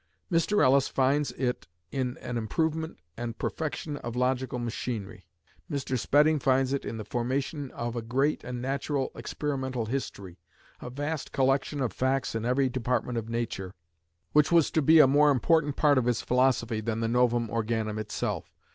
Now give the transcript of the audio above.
Mr. Ellis finds it in an improvement and perfection of logical machinery. Mr. Spedding finds it in the formation of a great "natural and experimental history," a vast collection of facts in every department of nature, which was to be a more important part of his philosophy than the Novum Organum itself.